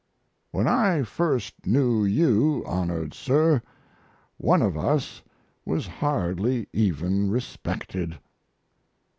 When I first knew you, Honored Sir, one of us was hardly even respected.